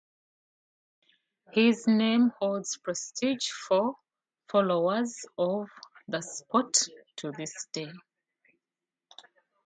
His name holds prestige for followers of the sport to this day.